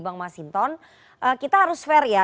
bang mas hinton kita harus fair ya